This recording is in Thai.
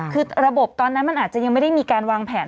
คือระบบตอนนั้นมันอาจจะยังไม่ได้มีการวางแผน